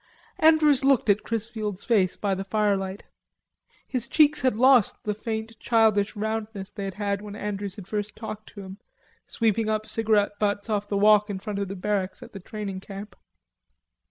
Andrews looked at Chrisfield's face by the firelight. His cheeks had lost the faint childish roundness they had had when Andrews had first talked to him, sweeping up cigarette butts off the walk in front of the barracks at the training camp.